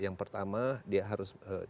yang pertama dia harus